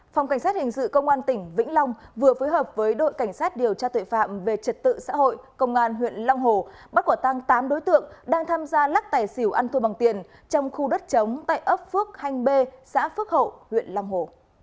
phòng cảnh sát hình sự công an tỉnh vĩnh long vừa phối hợp với đội cảnh sát điều tra tội phạm về trật tự xã hội công an huyện long hồ bắt quả tăng tám đối tượng đang tham gia lắc tài xỉu ăn thua bằng tiền trong khu đất chống tại ấp phước hanh b xã phước hậu huyện long hồ